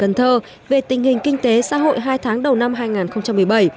cần thơ về tình hình kinh tế xã hội hai tháng đầu năm hai nghìn một mươi bảy